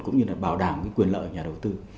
cũng như là bảo đảm cái quyền lợi nhà đầu tư